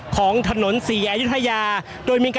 ก็น่าจะมีการเปิดทางให้รถพยาบาลเคลื่อนต่อไปนะครับ